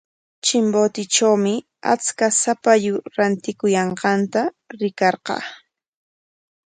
Chimbotetrawmi achka shapallu rantikuyanqanta rikarqaa.